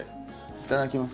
いただきます。